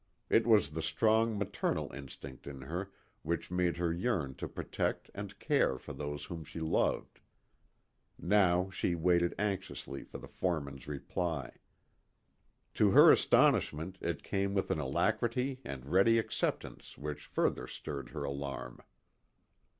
It was the strong maternal instinct in her which made her yearn to protect and care for those whom she loved. Now she waited anxiously for the foreman's reply. To her astonishment it came with an alacrity and ready acceptance which further stirred her alarm.